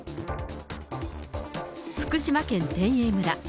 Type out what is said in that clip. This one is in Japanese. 福島県天栄村。